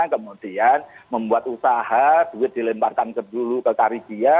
kemudian membuat usaha duit dilemparkan dulu ke karibia